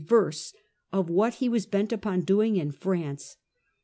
verse of what he was bent upon doing in France.